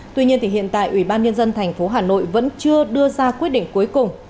tuy nhiên hiện tại ủy ban nhân dân thành phố hà nội vẫn chưa đưa ra quyết định cuối cùng